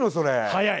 早い。